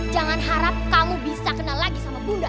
jangan harap kamu bisa kenal lagi sama bunda